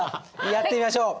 やってみましょう。